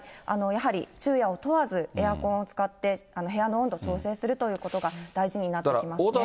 やはり昼夜を問わず、エアコンを使って、部屋の温度を調整するということが大事になってきますね。